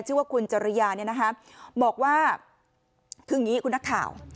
ชื่อว่าคุณจริยาเนี่ยนะคะบอกว่าคืออย่างนี้คุณนักข่าว